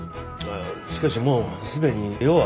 しかしもうすでに用は済んだ。